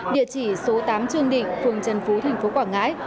địa chỉ số tám trương định phường trần phú thành phố quảng ngãi